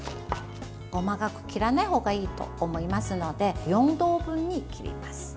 細かく切らないほうがいいと思いますので４等分に切ります。